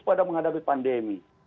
pada menghadapi pandemi